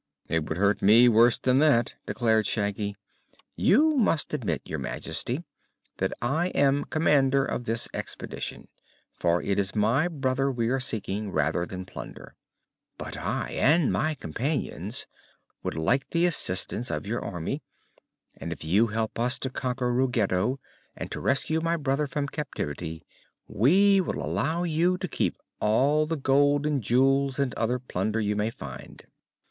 "It would hurt me worse than that," declared Shaggy. "You must admit, Your Majesty, that I am commander of this expedition, for it is my brother we are seeking, rather than plunder. But I and my companions would like the assistance of your Army, and if you help us to conquer Ruggedo and to rescue my brother from captivity we will allow you to keep all the gold and jewels and other plunder you may find."